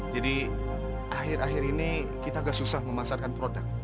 jadi akhir akhir ini kita agak susah memasarkan produk